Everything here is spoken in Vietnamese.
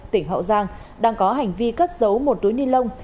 tỉnh hậu giang đang có hành vi cất dấu một túi ninh lông